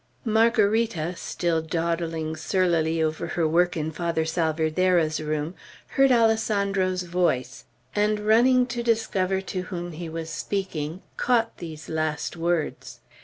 Margarita, still dawdling surlily over her work in Father Salvierderra's room, heard Alessandro's voice, and running to discover to whom he was speaking, caught these last, words.